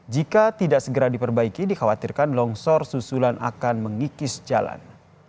jika tidak segera diperbaiki dikhawatirkan longsor susulan akan mengikis jalan